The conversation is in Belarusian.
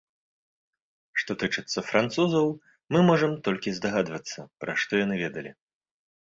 Што тычыцца французаў, мы можам толькі здагадвацца, пра што яны ведалі.